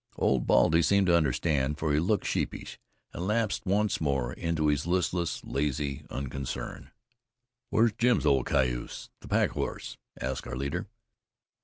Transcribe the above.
Old Baldy seemed to understand, for he looked sheepish, and lapsed once more into his listless, lazy unconcern. "Where's Jim's old cayuse, the pack horse?" asked our leader.